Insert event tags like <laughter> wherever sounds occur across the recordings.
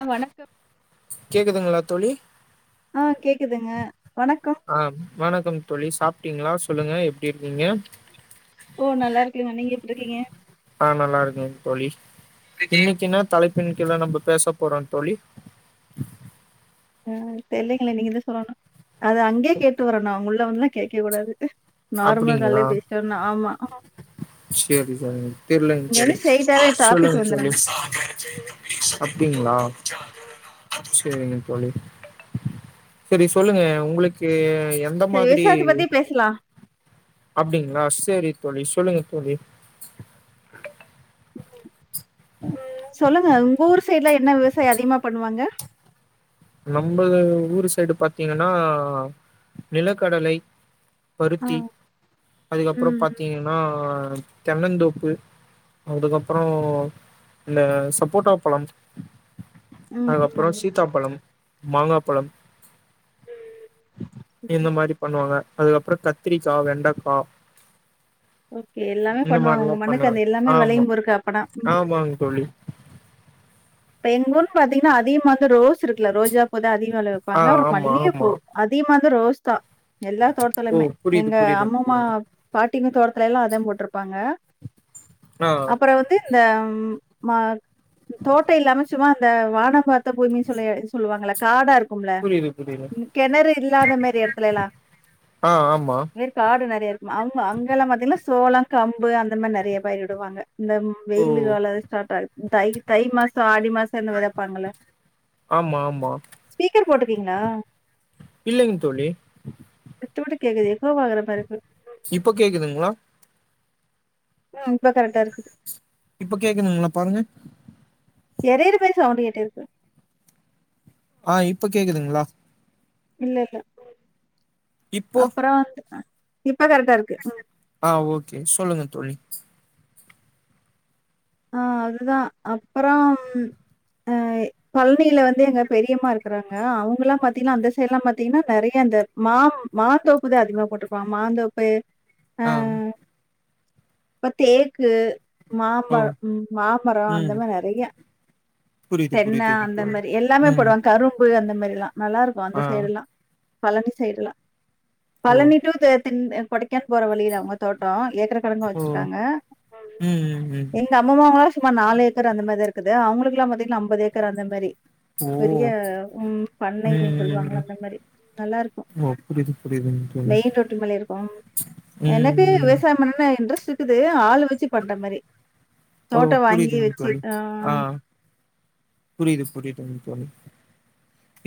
ஆ வணக்கம் கேக்குதுங்களா தோழி ஆ கேக்குதுங்க வணக்கம் அ வணக்கம் தோழி சாப்ட்டீங்களா சொல்லுங்க எப்டி இருக்கீங்க ஓ நல்லா இருக்கேணா நீங்க எப்டி இருக்கீங்க ஆ நல்லா இருக்கேன் தோழி இன்னிக்கு என்னா தலைப்பின கீழ நம்ம பேச போறோ தோழி ஆ தெரிலிங்களே நீங்க தா சொல்லணும் அத அங்கே கேட்டு வரனும் உள்ள வந்துலா கேக்கவே கூடாது நார்மல் கால்லயே பேசிட்டோனா ஆமா சரி தோழி தெரிலங்க இங்க தோழி வந்து ஸ்ட்ரைட்டாவே சொல்லங்க டாபிக் தோழி வந்துரணு அப்டிங்களா செரிங்க தோழி செரி சொல்லுங்க உங்களுக்கு எந்த சரி மாதிரி விவசாயத்த பத்தி பேசலா அப்டிங்களா செரி தோழி சொல்லுங்க தோழி சொல்லுங்க உங்க ஊர் சைடு்ல என்ன விவசாயம் அதிகமா பண்ணுவாங்க நம்பது ஊரு சைடு பாத்தீங்கன்னா நிலக்கடலை ஆ பருத்தி ம் அதுக்கப்பறம் பாத்தீங்கன்னா தென்னந்தோப்பு அதுக்கப்பறோ இந்த சப்போட்டா பழம் ம் ம் அதுக்கப்புறம் நல்லது. சீதாப்பழம் மாங்காப்பழம் இந்த மாரி பண்ணுவாங்க அதுக்கப்பறம் கத்திரிக்கா வெண்டக்கா ஓகே எல்லாமே இந்த பண்ணுவாங்க உங்க மாதிரிலாம் மண்ணுக்கு பண்ணுவ அந்த எல்லாமே ஆமா வெளையும் போருக்கு அப்பனா ம் ஆமாங்க தோழி இப்ப எங்க ஊர்னு பாத்தீங்கன்னா அதிகமா வந்து ரோஸ் இருக்குல ரோஜா பூ தா அதிக வெல ஆ வப்பாங்க அப்பறம் ஆமா மல்லிகப்பூ ஆமா அதிகமா வந்து ரோஸ் தா எல்லா ஓ தோட்டத்லயுமே புரியுது எங்க புரியுதுங் அம்மம்மா தோழி பாட்டிமா தோடத்துல்லாம் அதா போட்ருப்பாங்க ஆ அப்பறம் வந்து இந்த மா தோட்டயில்லாம சும்மா இந்த வானம் பா த்த பூமினு சொல்ல சொல்லுவாங்கல காடா இருக்கும்ல புரியுது புரியுது கெணறு இல்லாத மாரி எடத்துலல்லா ஆ ஆமா காடு நறைய இருக்கும் ஆமா அங்கல்லாம் பாத்தீங்கனா சோளம் கம்பு அந்த மாரி நெறய பயிரிடுவாங்க இந்த ஓ வெயிலு கால ஸ்டாட் ஆகு தை தை மாசம் ஆடி மாசம் தென்ன வெத வெப்பாங்க இல்ல ஆமா ஆமா ஸ்பீக்கர் போட்டுக்கீங்களா இல்லங் தோழி விட்டு விட்டு கேட்குது எக்கோ வாகுற பாரு இப்ப கேக்குதுங்களா ம் இப்ப கரட்டா இருக்கு இப்ப கேக்குதுங்களா பாருங்க எரையற மாறி சவுண்டு கேட்டுருக்கு ஆ இப்ப கேக்குதுங்ளா இல்ல இல்ல அப்றம் வந்து அ இப்ப கரெக்டா இருக்கு ம் ஆஹ் ஓகே சொல்லுங்க தோழி ஆ அதுதா அப்றம் அ பழனில வந்து எங்க பெரியம்மா இருக்குறாங்க அவங்கலாம் பாத்தீங்கனா அந்த சைட்லாம் பாத்தீங்கனா நெறய அந்த மா மாந்தோப்புதா அதிகமா போட்டிருப்பா மாந்தோப்பு அ ஆ இப்ப தேக்கு ஓ மாம்பழ ம் மாமரம் அந்த ம் மாரி நறைய புரியுது தென்ன புரியுதுங் அந்த தோழி மாரி எல்லாமே ம் போடுவாங் கரும் பு அந்த மாரில்லா நல்லா இருக்கும் அந்த ஆ சைடல்லாம் பழனி சைடல்லாம் ஓ பழனி டூ தேனீ தென் அ கொடைக்கானல் போற வழிதா அவங்க தோட்டம் ஏக்கர் கணக்குல ஓ வச்சுருக்காங்க ம் ம் ம் எங்க அம்மாமாவுலாம் சுமார் நாலு ஏக்கர் அந்த மாதி தான் இருக்குது அவுங்களுக்குல்லாம் பாத்தீங்கன்னா அம்பது ஏக்கர் அந்த மாதிரி ஓ பெரிய ம் ம் பண்ணை ம் சொல்லுவாங்களா ம் அந்த மாதிரி நல்லா இருக்கும் ஓ புரியுது புரியுதுங் தோழி மெயின் ரோட்டு மேலயே இருக்கும் ம் எனக்கு ம் விவசாயம் பண்ணனும்னு இன்ட்ரஸ்ட் இருக்குது ஆளு வச்சு பண்ற மாரி ஓ தோட்டம் வாங்கி புரியுதுங் வச்சி தோழி ஆ புரியுது புரியுதுங்க தோழி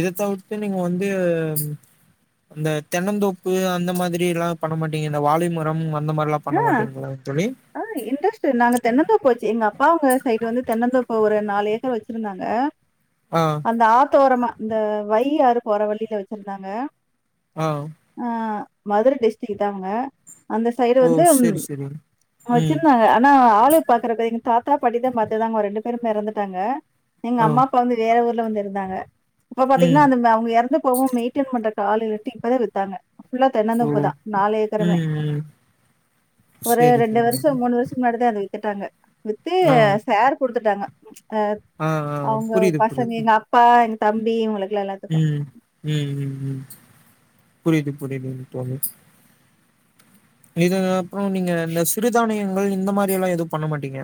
இத தவிர்த்து நீங்க வந்து இந்த தென்னந்தோப்பு அந்த மாதிரில்லா பண்ணமாட்டீங்க இந்த வாழைமரம் அந்த மாரில்லா ஆ ஆ இன்ட்ரெஸ்ட் நாங்க தென்னந்தோப்பு ச்சு எங்க அப்பா அவுங்க சைடு வந்து தென்னந்தோப்பு ஒரு நாலு ஏக்கர் வச்சிருந்தாங்க ஆ அந்த ஆத்தோரமா இந்த வையாறு போற வழியில வச்சிருந்தாங்க ஆ ஆ மதுரை டிஸ்டரிக் தாங்க அந்த சைடு ஓ வந்து செரி செரி ம் வச்சிருந்தாங்க ஆனா ஆளு பாக்குறப்ப எங்க தாத்தா படித மத்ததாங்க ஒரு ரெண்டு பேரும் இறந்துட்டாங்க எங்க ஓ அம்மா அப்பா வந்து வேற ஊர்ல வந்து இருந்தாங்க இப்ப ம் பாத்தீங்கனா அந்த அவுங்க இறந்து போவவும் மெயின் ஆ மெய்ன்ட்டன் பண்றதுக்கு ஆளு இல்லனு இப்பதான் வித்தாங்க ஃபுல்லா ஓ தென்னந்தோப்புதா நாலு ஏக்கருமே ம் ம் ஒரு செரி ரெண்டு செரி வருஷம் மூணு வருஷத்துக்கு முன்னாடிதா அத வித்துட்டாங்க வித்து ஆ சேர் குடுத்துட்டாங்க அ ஆ ஆ அவுங்க புரியுது பசங்க புரியுது எங்க அப்பா எங்க தம்பி இவுங்களுக்கெலாம் எலாம் உம் உம் உம் உம் புரியுது புரியுதுங்க தோழி இது அப்புறம் நீங்க இந்த சிறுதானியங்கள் இந்த மாரில்லா எதுவும் பண்ண மாட்டீங்க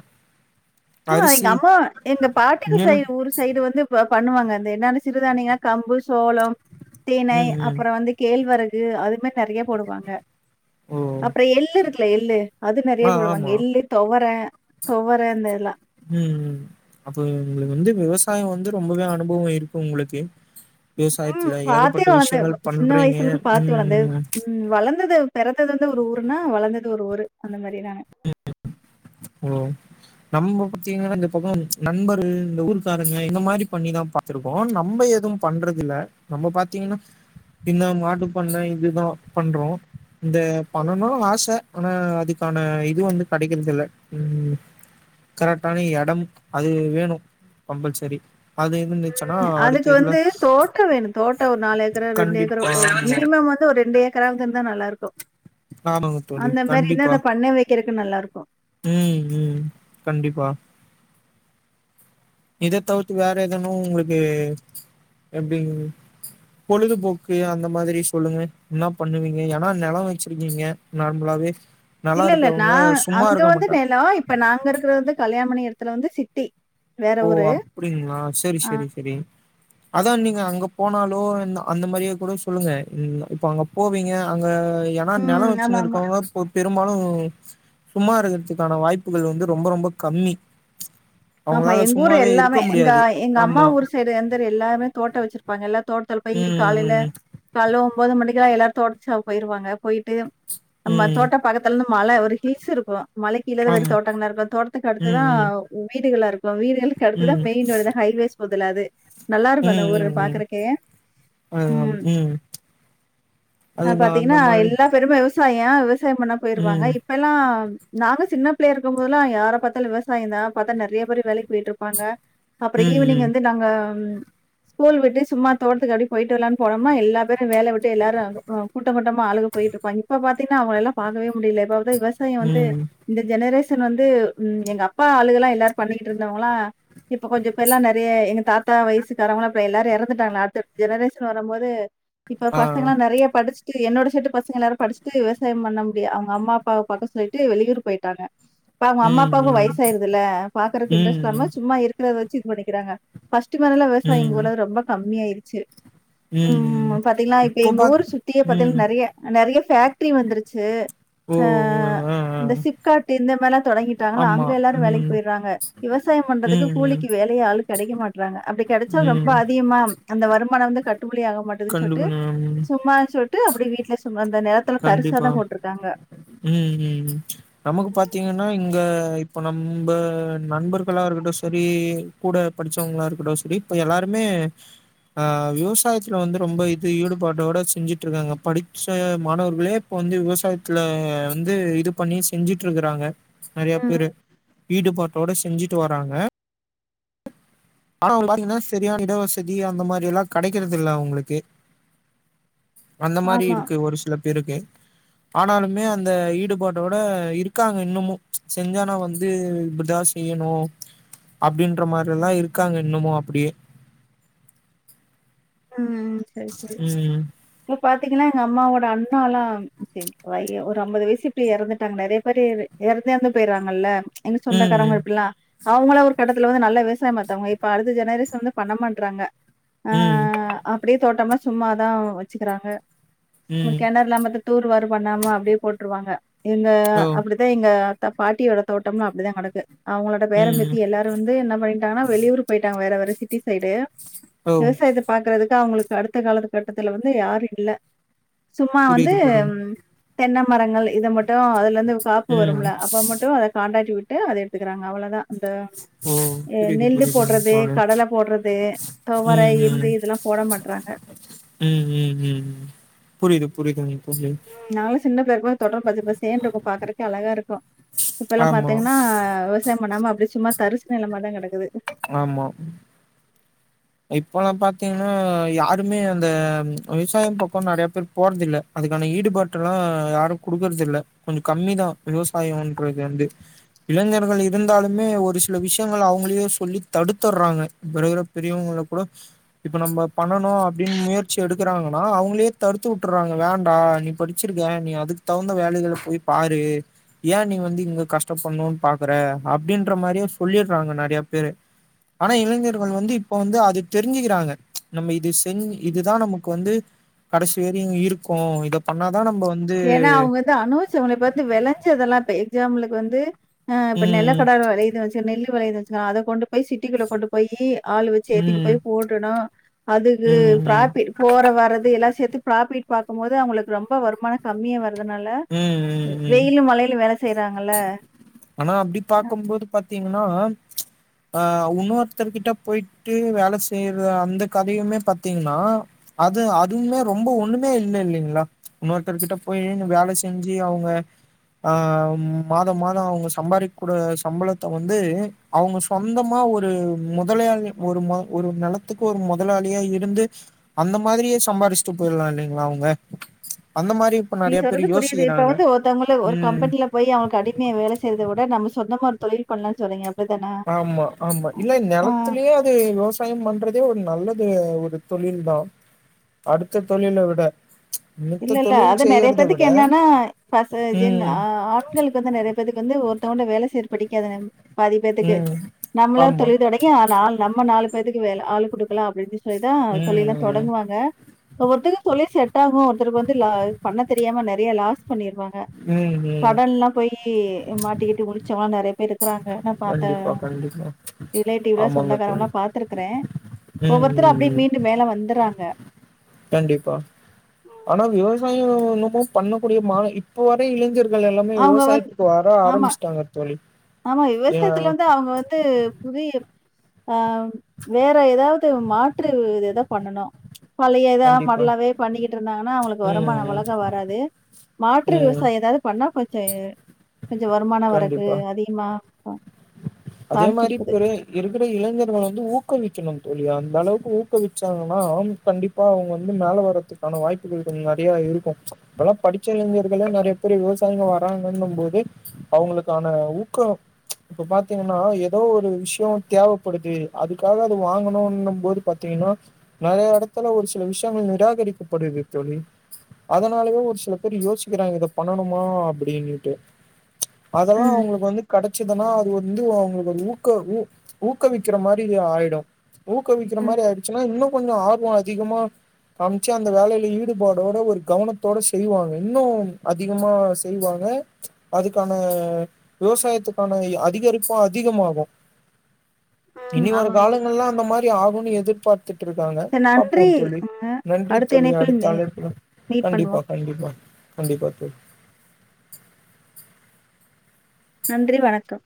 ஆ எங்க அரிசி, அம்மா எங்க பாட்டிக்கு நெல் செய்ற ஊரு சைடு வந்து பண்ணுவாங்க அந்த என்னது சிறுதானியனா கம்பு சோளம் தினை ம், ம். அப்புறம் வந்து கேழ்வரகு அதுமாரி நிறைய போடுவாங்க ஓ! அப்புறம் எள்ளு இருக்குல எள்ளு அது நெறய ஆ, போடுவாங்க ஆமா. எள்ளு துவர துவர இந்த இதெலாம் உம் உம் அப்ப உங்களுக்கு வந்து விவசாயம் வந்து ரொம்பவே அனுபவம் இருக்கு உங்களுக்கு ம் விவசாயத்துல பாத்தே ஏகப்பட்ட வளர்ந்த விஷயங்கள் சின்ன பண்றீங்க. வயசுல இருந்து பார்த்து வளர்ந்து ம். ம் வளர்ந்தது பெறந்தது வந்து ஒரு ஊர்னா வளந்தது ஒரு ஊரு அந்த மாரி நானு ஓ நம்ம பாத்தீங்கன்னா இந்த பக்கம் நண்பர்கள் இந்த ஊர்க்காரங்க இந்த மாதிரி பண்ணிதான் பாக் பாத்துருக்கோம் நம்ம எதும் பண்றதுல்ல நம்ம பாத்தீங்கனா இந்த மாட்டுப்பண்ணை இதுதான் பண்றோம் இந்த பண்ணணும் ஆசை ஆனா அதுக்கான இது வந்து கிடைக்கிறது இல்ல உம் கரெக்ட்டான எடம் அது வேணும் கம்ப்பல்சரி உம் அதுக்கு வந்து தோட்டம் வேணும் தோட்டம் ஒரு நாலு ஏக்கரு ரெண்டு ஏக்கரு கண்டிப்பா ஆமா. மினிமம் வந்து ஒரு ரெண்டு ஏக்கராவது இருந்தா நல்லா இருக்கும் ஆமாங்க தோழி. அந்த மாதிரி இருந்தா அந்த பண்ணை வைக்கிறதுக்கு நல்லா இருக்கும் உம் உம் கண்டிப்பா இதை தவிர்த்து வேற எதனும் உங்களுக்கு எப்படி பொழுதுபோக்கு அந்த மாதிரி சொல்லுங்க என்ன பண்ணுவீங்க ஏனா நிலம் வச்சுருக்கீங்க நார்மலாவே நெலம் இல்ல இல்ல இருக்கவங்க நான் சும்மா அங்க இருக்க வந்து மாட்டாங்க நிலம் இப்ப நாங்க இருக்குறது வந்து கல்யாணபண்ணி இடத்துல வந்து சிட்டி வேற ஓ ஊரு. அப்டிங்களா சேரி ஆ. சேரி சேரி அதான் நீங்க அங்க போனாலோ இந்த அந்த மாரியே கூட சொல்லுங்க நீங்க இப்ப அங்க போவீங்க அங்க ஏனா ம். நிலம் ஆமாமா. வச்சுனு இருக்கவங்களா சொத்து பெரும்பாலும் சும்மா இருக்கிறதுக்கான வாய்ப்புகள் வந்து ரொம்ப ரொம்ப கம்மி ஆமா அவங்களால எங்க ஊர் சும்மாவே இருக்க எல்லாமே எங்க முடியாது எங்க அம்மா ஆமா ஊர் சை இது எந்துரு எல்லாருமே தோட்ட வச்சிருப்பாங்கல்லா தோட்டத்துல போய் காலைல ம் கால்ல ஒம்போது மணிக்குலா எல்லாரு தோட்டச்சாவு போயிருவாங்க போய்ட்டு ம் நம்ம ம் தோட்ட பக்கத்துலனு மல ஒரு ஹில்ஸ் இருக்கு மலக்கீழ தா ஆமா வெறு தோட்டங்களா இருக்கு தோட்டத்துக்கு அடுத்துதா ம் ம் உ வீட்டுகளா இருக்கு வீடுகளுக்கு அடுத்துதா ம் மெயின் ரோடு இந்த ஹைவேஸ் போதுல அது நல்லா இருக்கு அந்த ம் ஊரு ம் ம் பாக்குறக்கே ம் ஆ அதுதா பாத்தீங்கனா அந்த மாரி எல்லா பேருமே விவசாய விவசாய பண்ண போயிருவாங்க ம் இப் ப்பலா நாங்க சின்ன பிள்ளைையா இருக்கும் போதுலா யார பாத்தாலு விவசாயந்தா பாத்தா நெறைய பேரு வேலைக்கு போய்ட்ருப்பாங்க அப்ற ம் ஈவ்னிங் ம் வந்து நாங்க ம் ஸ்கூல் விட்டு சும்மா தோட்டத்துக்கு அப்டி போயிட்டு வர்லான் போனமா எல்லா பேரு வேல விட்டு எல்லாரு ம் கூட்டகூட்டமா ஆளுக போயிட்ருப்பாங்க இப்ப பாத்தீங்னா அவ்ங்கலெல்லா பாக்கவே முடிய்ல இப்ப வந்து விவஸ் சாய வந்து ம் இந்த ஜெனரேஷன் வந்து ம் எங்க அப்பா ஆளுகலா எல்லாரு பண்ணிக்கிட்ருந்தவ்ங்களா இப்ப கொஞ்ச பேர்லா நெறைய எங்க தாத்தா வயசுகாரவ்ங்களா இப்ப எல்லாரு எறந்துட்டாங்கா அடுத்த ஜெனரேஷன் வரும் போது இப்ப ஆ பசங்கலா நெறைய படிச்சு என்னோட செட்டு பசங்க எல்லாரு படிச்ட்டு விவசாயம் பண்ண முடியா அவ்ங்க அம்மா அப்பாவ பாக்க சொல்லிட்டு வெளியூர் போய்ட்டாங்க இப்ப அவ்ங்க அம்மா ம் அப்பாவுக்கு ம் வயசு ஆய்ருதுல பாக்குறக்கு இன்டெரஸ்ட் ம் இல்லாம சும்மா இருக்கத வெச்சு இது பண்ணிக்கிறாங்க ஃபர்ஸ்டு மேலலா விவசாய ம் எங்கூர்ல அது ரொம்ப கம்மி ஆய்ருச்சு ம் பாத்தீங்ளா இப்ப இப்போ எங்க பாத் ஊரு சுத்தியே ம் பாத்தீங்னா நெறைய நெறைய ஃபேக்ட்ரி வந்துருச்சு ஓ அ ஆ ஆ இந்த சிப்காட்டு இந்த மாரிலா தொடங்கிட் டாங்களா ஆமா அங்க எல்லாரு வேலைக்கு ம் போய்றாங்க விவசாய பண்றதுக்கு ம் ம் கூலிக்கு வேலயே ஆளு கெடைக்க மாட்றாங்க அப்டி கெடச்சா ரொம்ப ம் அதிகமா அந்த வருமான வந்து கட்டுபடி ஆக மாட்டிதுன் சொல்ட்டு கண்டுக்கணும் ம் சும்மா சொல் விட்டு அப்டி வீட்ல சும்மா அந்த நெலத்துல தரிசாதா கண்டிப்பா போட்ருக்காங்க ம் ம் நமக்கு பாத்தீங்கனா இங்க இப்ப நம்ப நண்பர்களா இருக்கட்டு செரி கூட படிச்சவ்ங்களாருக்கட்டு செரி இப்ப எல்லாருமே ஆ விவசாயத்துல வந்து ரொம்ப இது ஈடுபாட்டோட செஞ்சுட்ருக்காங்க படிப்ச்சு மாணவர்களே இப்ப வந்து விவசாயத்துல வந்து இது பண்ணி செஞ்சுட்ருக்குறாங்க நெறைய பேரு ம். ஈடுபாட்டோட செஞ்சுட்டு வராங்க ஆனா பாத்தீங்கனா செரியான இட வசதி அந்த மாரியெல்லா கெடைக்கறது இல்ல அவ்ங்களுக்கு அந்த மாரி ஆமா. இருக்கு ஒரு சில பேருக்கு ஆனாலுமே அந்த ஈடுபாட்டோட இருக்காங்க இன்னமு செஞ்சா நா வந்து இப்டிதா செய்யணு அப்டின்ற மாரியெல்லா இருக்காங்க இன்னமு அப்டியே ம் செரி செரி ம் இப்ப பாத்தீங்கனா எங்க அம்மாவோட அண் நாலாம் சேரி வை <unintelligible> அம்பது வயசு இப்டி எறந்துட்டாங்க நெறைய பேரு எறந்து எறந்து போய்றாங்கல்ல எங்க ம் சொந்தக்காரங்க இப்டிலா அவ்ங்கலா ஒரு கட்டத்துல வந்து நல்லா விவசாய பாத்தவ்ங்க இப்ப அடுத்த ஜெனரேஷன் வந்து பண்ண மாட்றாங்க ம் ஆ அப்டியே தோட்டம்லா சும்மாதா வச்சிக்கிறாங்க சும்மா ம் கெணறுலா பாத்து தூருவாரு பண்ணாம அப்டியே போட்ருவாங்க எங்க ஓ அப்டி இந்த எங்க பாட்டியோட தோட்டம்லா அப்டிதா கெடக்கு அவ்ங்களோட ம் பேரம்பேத்தி எல்லாரு வந்து என்ன பண்ணிட்டாங்கனா வெளியூர் போயிட்டாங்க வேற வேற சிட்டி சைடு ஓ விவசாயத்தப் பாக்குறதுக்கு அவுங்களுக்கு அடுத்த கால கட்டத்துல வந்து யாரு இல்ல சும்மா வந்து புரியுது புரியுது ம் தென்ன மரங்கள் இத மட் டு அதுலருந்து இந்த காப்பு ம் வரும்ல அப்ப மட்டு அத காண்ட்ரக்ட் விட்டு அத எடுத்துக்றாங்க அவளதா அந்த ஓ அ புரியுது நெல்லு புரியுதுங்க போட்றது தோழி கடல போட்றது தொவர ம் ம் எள்ளு இதெல்லாம் போட மாட்றாங்க ம் ம் ம் புரியது புரியுதுங் இப்ப சொல்லுங் நாங்களு சின்ன பிள்ளையா இருக்கு போ தொடர் பச்ச பசேன் இருக்கு பாக்கறக்கே அழகா இருக்கு இப்பல்லா ஆமா பாத்தீங்கன்னா விவசாயம் பண்ணாம அப்டி சும்மா தரிசு நிலமாதா கிடக்குது ஆமா இப்பல்லா பாத்தீங்கன்னா யாருமே அந்த விவசாயம் பக்கம் நிறைய பேர் போறதில்ல அதுக்கான ஈடுபாட்டல்லா யாரு குடுக்கறது இல்ல கொஞ்ச கம்மிதா விவசாயன்றது வந்து இளைஞர்கள் இருந்தாலுமே ஒரு சில விஷயங்கள் அவங்கலையே சொல்லி தடுத்தற்றாங்க பெரியவங்க கூட இப்ப நம்ப பண்ணனு அப்படின் முயற்சி எடுக்கறாங்கன்னா அவங்களே தடுத்து உட்றாங்க வேண்டா நீப்படி ச்சிருக்கே நீ அதுக்கு தகுந்த வேலைகள போய் பாரு ஏ நீ வந்து இங்க கஷ்டப்பண்ணுன் பாக்கற அப்டின்ற மாரியே சொல்லிற்றாங்க நறையா பேரு ஆனா இளைஞர்கள் வந்து இ ப்ப வந்து அது தெரிஞ்சிக்கிறாங்க நம்ம இது செஞ் இதுதா நமக் வந்து கடைசி வேரியு இருக்கு இத பண்ணாதா நம்ப வந் ஏன்னா அவங்க வந்து அணுவச்சவங்கள பாத்து வெளஞ்சதெல்லா இப்ப எக்ஸாபுளுக்கு வந்து ஆ இப்ப ம் நெல்லக்கடல் வலையுது வச்சுக்க நெல்லு வலையுது வச்சுக்கோ அத கொண்டு போய் சிட்டிக்குள்ள கொண்டுப்போய்யி ஆள்ளு வெச்சு ஏத்திட்டு ம் போய் போடனு அதுக்கு ம் ம் பிராஃப்பிட் போரவரது எல்லா சேத்து ப்ராஃபிட் பாக்கும்போது அவங்களுக்கு ரொம்ப வருமானம் கம்மியா வர் அதனால ம் ம் ம் வெயிலு மழையிலு வேல செய்யறாங்கல்ல ஆனா அப்டி பாக்கும்போது பாத்தீங்னா அ உன்னொருத்தர்கிட்ட போயிட்டு வேல செய்ற அந்த கதையுமே பாத்தீங்னா அது அதுவுமே ரொம்ப ஒண்ணுமே இல்ல இல்லிங்ளா இன்னொருத்தர்கிட்ட போய் வேல செஞ்சி அவுங்க ஆ மாதம் மாதம் அவங்க சம்பாரிக்கூட சம்பளத்த வந்து அவங்க சொந்தமா ஒரு முதலயாக ஒரு ஒரு நிலத்துக்கு ஒரு முதலாளியா இருந்து அந்த மாதிரியே சம்பாரிச்சுட்டு போயில்லா இல்லைங்களா அவ்ங்க அந்த மாரி நீ நெறைய பேர் சொல்றது புரியுது இப்ப யோசிக்கிறாங்க வந்து ஒருத்தவங்க ஒரு ம் கம்பெனில போய் அவனுக் அடிமையா வேல செய்றத விட நம்ம சொந்தமா ஒரு தொழில் பண்ணலா சொன்னீங்க ஆமா ஆமா இல்ல நிலத்தலியே விவசாயம் பண்றதே ஒரு நல்லது ஒரு தொழில்தா அடுத்த தொழில விட இல்ல மித்த இல்ல தொழில் அது நெறைய செய்யறத பேத்துக்கு விட என்னன்னா பச ம் <unintelligible> ஆண்களுக் ப்ப வந்து நெறைய பேத்துக்கு வந்து ஒருத்தவங்கட்ட வேல செய்றது பிடிக்காத பாதி பேத்துக்கு ம் நம்மளா ஆமா தொழில் தொடங் நால் நம்ம நாலு பேத்துக்கு வேல ஆள் கொடுக்கலா அப்படின் சொல்லிதா ம் தொழில ம் ம் தொடங்குவாங்க ஒவ்வொத்தருக்கு தொழில் செட் ஆகு ஒருத்தருக்கு வந்து ல பண்ண தெரியாம நிறைய லாஸ் பண்ணிருவாங் க ம் ம் கடன்ல போய்யி மாட்டிக்கிட்டு முழிச்சவல்லா நெறைய பேர் இருக்கறாங்க நா பாத்த கண்டிப்பா கண்டிப்பா ரிலேட்டிவ்ல ஆமாங்க சொந்தக்காரங்கல்லா தோழி பாத்துருக்கே ம் ஒவ்வொருத்தர் ம் அப்படியே ம் மீண்டு மேல வந்தறாங்க கண்டிப்பா ஆனா விவசாயோ இன்னமு பண்ணக்கூடிய மா இப்ப வர இளைஞர்க ள் எல்லாமே அவங்க வந்து விவசாயத்துக்கு வர ஆமா, ஆரம்பிச்சிட்டாங்க தோழி ஆமா ஏ விவசாயத்துல வந்து அவங்க வந்து புரி அ வேற எதாவது மாற்று இததா பண்ணணு பழையதா கண்டிப்பா மாடலாவே பண்ணிக்கிட்டுருந்தாங்கன்னா அவங்களுக்கு ம் வருமான ம் அவ்லகா வராது மாற்று ம் விவசாயோ எதாவது பண்ணா கொ தேர் கொஞ்ச வருமானம் வரக்கு கண்டிப்பா அதிகமா அதே சான்ஸ் மாரி இருக்குது. இப்பெரு இருக்கிற இளைஞர்கள வந்து ஊக்கவிக்கணு தோழி அந்தளவுக்கு ஊக்குவிச்சாங்கன்னா கண்டி ப்பா அவுங்க வந்து மேலே வர்றதுக்கான வாய்ப்புகள் கொஞ்ச நெறைய இருக்கு இப்பெல்லா படிச்ச இளைஞர்களே நெறைய பேரு விவசாயிங்க வராங்கன்னும் போது அவுங்களுக்கான ஊக்கோ இப்ப பாத்தீங்கன்னா எதோ ஒரு விஷ்யே தேவப்படுது அதுக்காக அது வாங்கணுன்னும்போது பாத்தீங்கன்னா நெறைய எடத்துல ஒரு சில விஷ்யங்கள் நிராகரிக்கப்படுது தோழி அதனாலயே ஒரு சில பேர் யோசிக்கிறாங்க இத பண்ணணுமா அப்படினிட்டு அதெல்லா ம். அவுங்களுக்கு வந்து கடச்சிதுனா அது வந்து அவுங்களுக்கது ஊக்க ஊ ஊக்கவிக்கிற மாதிரியாயிடு ஊக்கவிக்கிறமாரி ம், ஆய்டுச்சுன்னா இன்னு கொஞ்சோ ஆர்வோ அதிகமா அம்ச்சு அந்த வேலயில ஈடுபாடோட ஒரு கவனத்தோட செய்வாங்க இன்னும் அதிகமா செய்வாங்க அதுக்கான விவசாயத்துக்கான அ திகரிப்பு அதிகமாகு இனி ம். ஆமா. வருங்காலங்கள்லா அந்த மாரி ஆகுனு எதிர் பா த்துட்ருக்காங்க சரி நன்றி. பாப்போம் தோழி ங்க. நன்றி அடுத்த தோழி இணைப்பில் அடுத்த மே அழைப்புல மீட் கண்டிப்பா பண்ணுவோம். கண்டிப்பா கண்டிப்பா தோழி நன்றி வணக்கம்